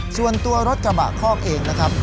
ส่วนตัวรถกระบะคอกเองนะครับ